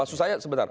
maksud saya sebentar